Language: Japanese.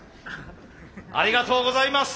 ありがとうございます。